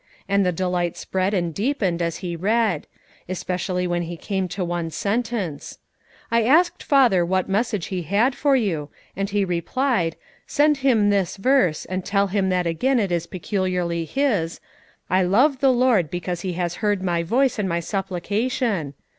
And the delight spread and deepened as he read; especially when he came to one sentence: "I asked father what message he had for you, and he replied, Send him this verse, and tell him that again it is peculiarly his, 'I love the Lord, because He has heard my voice and my supplication.'"